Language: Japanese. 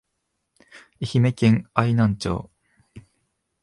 愛媛県愛南町